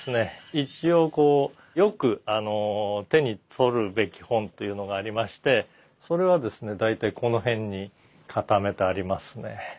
一応こうよく手に取るべき本というのがありましてそれはですね大体この辺に固めてありますね。